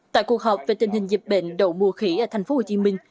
tại cuộc họp về tình hình dịch bệnh đậu mùa khỉ ở thành phố hồ chí minh